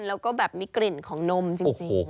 แล้วก็แบบมีกลิ่นของนมจริง